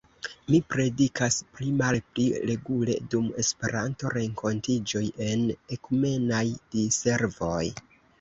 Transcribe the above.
Mi predikas pli-malpli regule dum Esperanto-renkontiĝoj en ekumenaj diservoj.